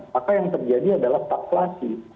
maka yang terjadi adalah takflasi